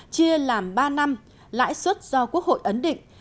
chia làm ba năm lãi suất do quốc hội ấn định